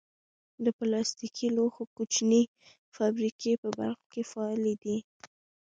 د پلاستیکي لوښو کوچنۍ فابریکې په بلخ کې فعالې دي.